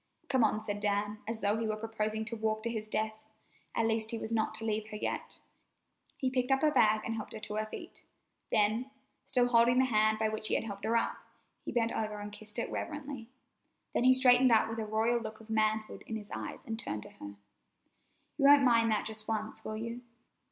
"Come on," said Dan, as though he were proposing to walk to his death. At least, he was not to leave her yet. He picked up her bag, and helped her to her feet; then, still holding the hand by which he had helped her up, he bent over and kissed it reverently. Then he straightened up with a royal look of manhood in his eyes and turned to her: "You won't mind that just once, will you?